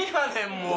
もう。